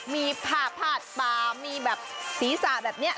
มีผาดปามมีแบบศีรษะแบบเนี่ย